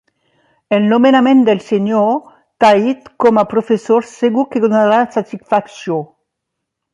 El nomenament del senyor Tait com a professor segur que donarà satisfacció.